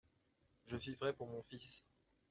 Je vivrai pour mon fils.